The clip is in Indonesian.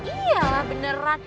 iya lah beneran